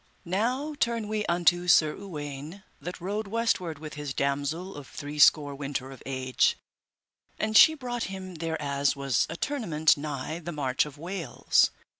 Now turn we unto Sir Uwaine, that rode westward with his damosel of three score winter of age, and she brought him thereas was a tournament nigh the march of Wales.